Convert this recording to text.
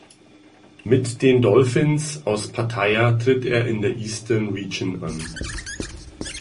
Mit den "Dolphins" aus Pattaya tritt er in der Eastern Region an.